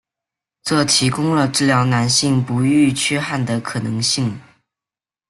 这提供了治疗男性不育缺憾的可能性。